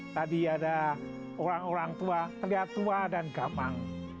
tadi ada orang orang tua terlihat tua dan gamang